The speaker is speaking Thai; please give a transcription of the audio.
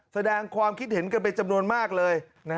แสดงความคิดเห็นกันเป็นจำนวนมากเลย